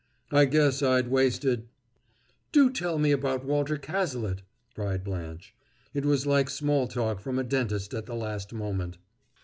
I guess I'd wasted " "Do tell me about Walter Cazalet!" cried Blanche. It was like small talk from a dentist at the last moment.